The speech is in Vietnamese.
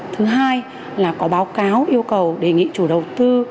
thứ hai là có báo cáo yêu cầu đề nghị chủ đầu tư